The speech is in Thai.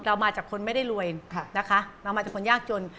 เรามาจากคนไม่ได้รวยนะคะเรามาจากคนยากจน